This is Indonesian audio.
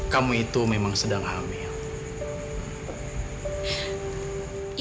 kamu itu memang sedang hamil